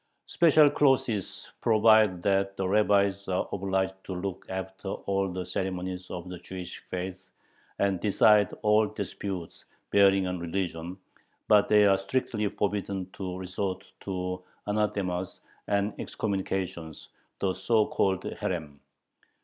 Special clauses provide that the rabbis are obliged "to look after all the ceremonies of the Jewish faith and decide all disputes bearing on religion," but they are strictly forbidden to resort to "anathemas" and excommunications (the so called herem).